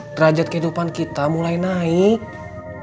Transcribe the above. derajat kehidupan kita mulai naik